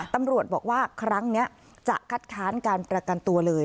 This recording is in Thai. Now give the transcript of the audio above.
ตำรวจบอกว่าครั้งนี้จะคัดค้านการประกันตัวเลย